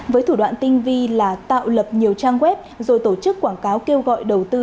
với thủ đoạn tinh vi là tạo lập nhiều trang web rồi tổ chức quảng cáo kêu gọi đầu tư